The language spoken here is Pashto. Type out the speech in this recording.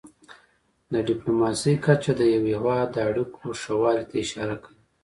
د ډيپلوماسی کچه د یو هېواد د اړیکو ښهوالي ته اشاره کوي.